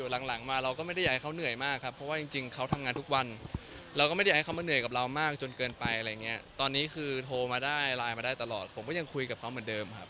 หลังมาเราก็ไม่ได้อยากให้เขาเหนื่อยมากครับเพราะว่าจริงเขาทำงานทุกวันเราก็ไม่ได้ให้เขามาเหนื่อยกับเรามากจนเกินไปอะไรอย่างเงี้ยตอนนี้คือโทรมาได้ไลน์มาได้ตลอดผมก็ยังคุยกับเขาเหมือนเดิมครับ